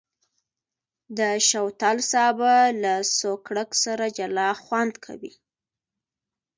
د شوتل سابه له سوکړک سره جلا خوند کوي.